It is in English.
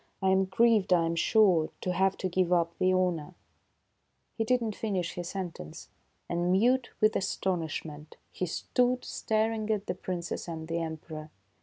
I am grieved, I am sure, to have to give up the honor "— He did not finish his sentence, and mute with astonish ment he stood staring at the Princess and the Emperor.